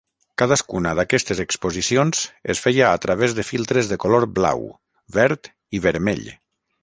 Cadascuna d'aquestes exposicions es feia a través de filtres de color blau, verd i vermell.